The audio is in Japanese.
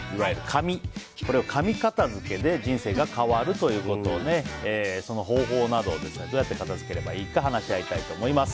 紙片付けで人生が変わるということでその方法など、どうやって片付ければいいか話し合います。